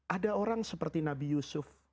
ada orang seperti nabi yusuf